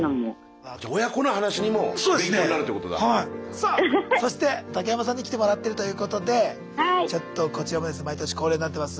さあそして竹山さんに来てもらってるということでちょっとこちらもですね毎年恒例になってます